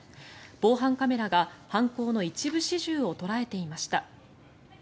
防犯カメラが犯行の一部始終を捉えていました。